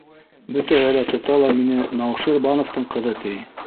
Бөтәһе лә тота ла мине Науширбановтың ҡыҙы, ти.